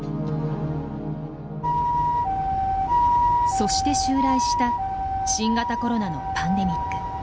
そして襲来した新型コロナのパンデミック。